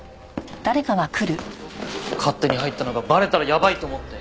勝手に入ったのがバレたらやばいと思って。